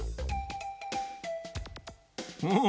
おお！